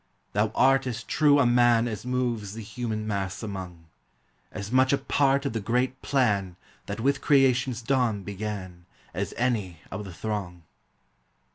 Thou art as true a man As moves the human mass among; As much a part of the great plan That with creation's dawn began, As any of the throng.